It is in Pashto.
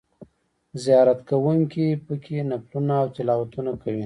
زیارت کوونکي په کې نفلونه او تلاوتونه کوي.